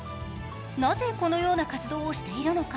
なぜ、このような活動をしているのか。